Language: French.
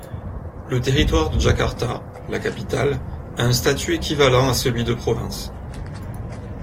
Le territoire de Jakarta, la capitale, a un statut équivalent à celui de province.